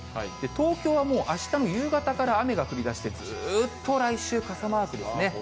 東京はもうあしたの夕方から雨が降りだして、ずっと来週、傘マークですね。